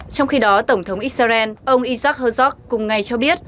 trong khi đó tổng thống israel ông isaac herzog cùng ngay cho biết